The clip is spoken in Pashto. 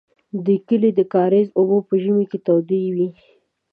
د کلي د کاریز اوبه په ژمي کې تودې وې.